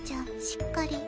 しっかり。